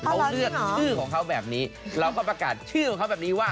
เอาเรื่องของเขาแบบนี้แล้วก็ประกาศชื่อของเขาแบบนี้ว่า